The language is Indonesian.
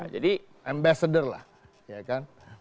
jadi ambassador lah ya kan